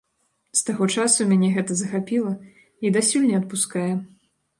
З таго часу мяне гэта захапіла і дасюль не адпускае.